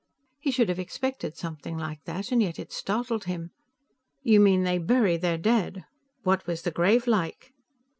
He should have expected something like that, and yet it startled him. "You mean, they bury their dead? What was the grave like?"